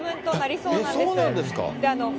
そうなんです。